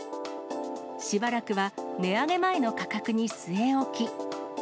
しばらくは値上げ前の価格に据え置き。